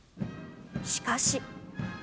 しかし。